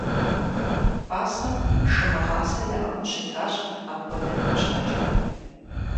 Пасэм шы мыгъасэ яӏыгъыу щытащ апхуэдэхэм щхьэкӏэ.